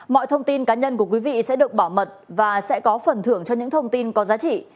mọi thông tin cá nhân của quý vị sẽ được bảo mật và sẽ có phần thưởng cho những thông tin có giá trị